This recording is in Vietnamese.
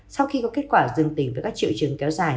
sau khi có kết quả dương tính với các triệu chứng kéo dài